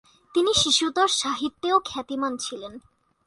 তিনি শিশুতোষ সাহিত্যেও খ্যাতিমান ছিলেন।